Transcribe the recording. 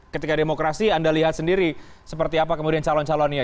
ketika demokrasi anda lihat sendiri seperti apa kemudian calon calonnya